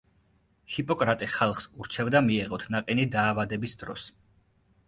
ჰიპოკრატე ხალხს ურჩევდა მიეღოთ ნაყინი დაავადების დროს.